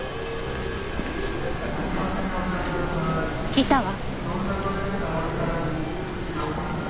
いたわ。